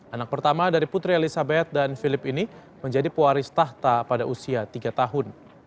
anak pertama dari putri elizabeth dan philip ini menjadi pewaris tahta pada usia tiga tahun